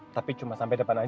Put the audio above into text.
tapi cuma sampai depan aja